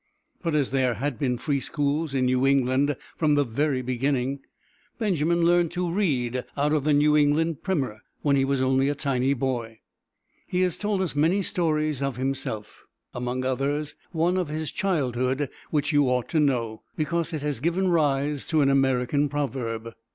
But as there had been free schools in New England from the very beginning, Benjamin learned to read out of the New England Primer when only a tiny boy. He has told us many stories of himself; among others, one of his childhood which you ought to know, because it has given rise to an American proverb.